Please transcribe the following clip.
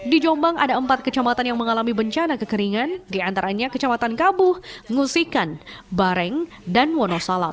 di jombang ada empat kecamatan yang mengalami bencana kekeringan diantaranya kecamatan kabuh ngusikan bareng dan wonosalam